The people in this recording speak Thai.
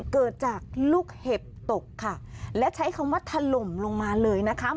เกิดจากลูกเห็บตกค่ะและใช้คำว่าถล่มลงมาเลยนะคะ